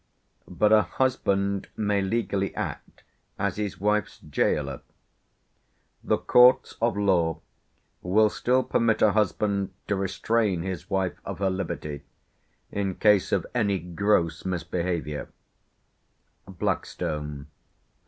But a husband may legally act as his wife's gaoler; "the courts of law will still permit a husband to restrain his wife of her liberty, in case of any gross misbehaviour" (Blackstone, p.